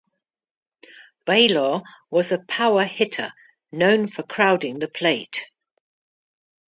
Baylor was a power hitter known for crowding the plate.